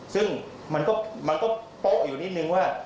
ซึ่งมันก็โป๊ะอยู่นิดนึงว่า